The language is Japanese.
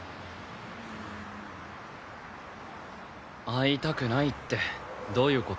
「会いたくない」ってどういう事？